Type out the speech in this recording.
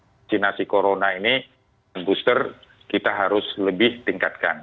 vaksinasi corona ini dan booster kita harus lebih tingkatkan